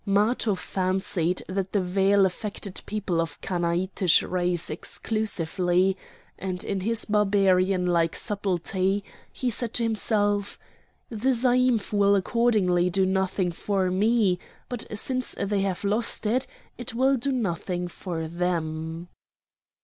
Matho fancied that the veil affected people of Chanaanitish race exclusively, and, in his Barbarian like subtlety, he said to himself: "The zaïmph will accordingly do nothing for me, but since they have lost it, it will do nothing for them."